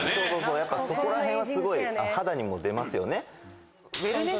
やっぱそこらへんはすごい肌にも出ますよね？